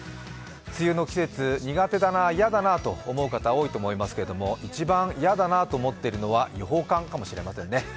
梅雨の季節、苦手だな、嫌だなと思う方多いと思いますけれども、一番嫌だなと思っているのは、予報官かもしれませんね。